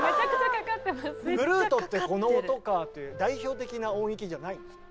「フルートってこの音か」という代表的な音域じゃないんです。